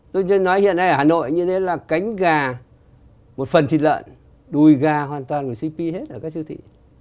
tôi chưa nói hiện nay ở hà nội như thế là cánh gà một phần thịt lợn đùi gà hoàn toàn của cp hết ở các siêu thị